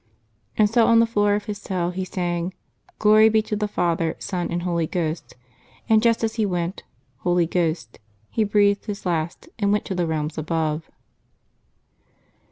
And so on the floor of his cell he sang, " Glory be to the Father, Son, and Holy Ghost ;" and just as he said " Holy Ghost," he breathed his last, and went to the realms above.